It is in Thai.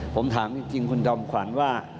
ผมถามจริงคุณจอมขวัญว่า